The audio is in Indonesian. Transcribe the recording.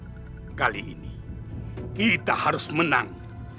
sekarang kita harus menang